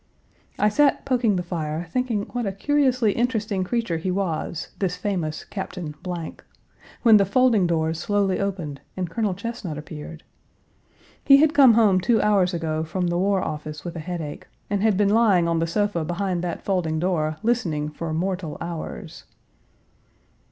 I sat poking the fire thinking what a curiously interesting creature he was, this famous Captain , when the folding doors slowly opened and Colonel Chesnut appeared. He had come home two hours ago from the War Office with a headache, and had been lying on the sofa behind that folding door listening for mortal hours.